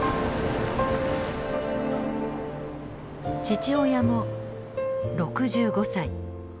父親も６５歳。